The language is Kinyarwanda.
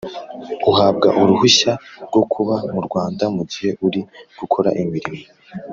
Uhabwa uruhushya rwo kuba mu Rwanda mu gihe uri gukora imirimo